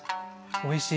おいしい。